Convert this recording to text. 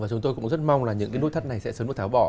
chúng tôi cũng rất mong là những cái nút thắt này sẽ sớm được tháo bỏ